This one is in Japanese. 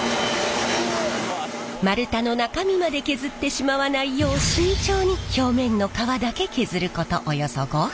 丸太の中身まで削ってしまわないよう慎重に表面の皮だけ削ることおよそ５分。